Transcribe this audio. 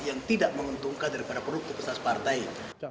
yang tidak menguntungkan daripada perutku pesat partai